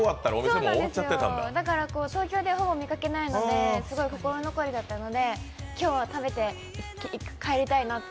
だから東京でほぼ見かけないので、すごく心残りだったので今日は食べて帰りたいなって。